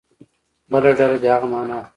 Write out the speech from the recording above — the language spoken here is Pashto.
بله ډله دې هغه معنا کړي.